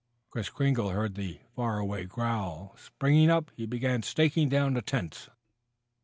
Kris Kringle heard the far away growl. Springing up, he began staking down the tents.